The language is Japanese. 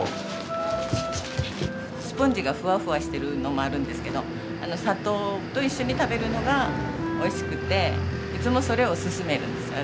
スポンジがふわふわしてるのもあるんですけど砂糖と一緒に食べるのがおいしくていつもそれを勧めるんです私。